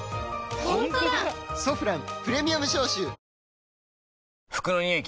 「ソフランプレミアム消臭」服のニオイ